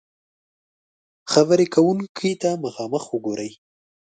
-خبرې کونکي ته مخامخ وګورئ